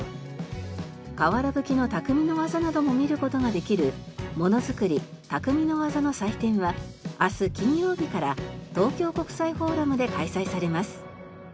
かわらぶきの匠の技なども見る事ができるものづくり・匠の技の祭典は明日金曜日から東京国際フォーラムで開催されます。